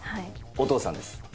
お父さんです。